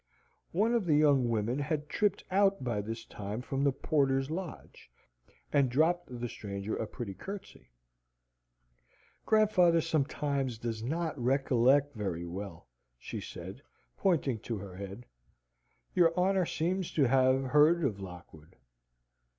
One of the young women had tripped out by this time from the porter's lodge, and dropped the stranger a pretty curtsey. "Grandfather sometimes does not recollect very well," she said, pointing to her head. "Your honour seems to have heard of Lockwood?"